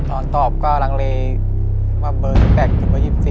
ตอนตอบก็รังเลว่าเบอร์๑๘ถึงว่า๒๔